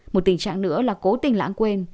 một tình trạng nữa là cố tình lãng quên